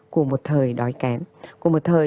của một thời đói kém của một thời